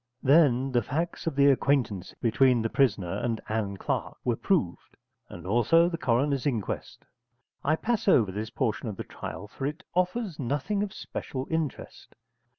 Then the facts of the acquaintance between the prisoner and Ann Clark were proved, and also the coroner's inquest. I pass over this portion of the trial, for it offers nothing of special interest.